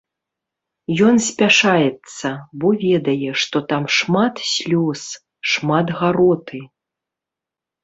Ён спяшаецца, бо ведае, што там шмат слёз, шмат гароты.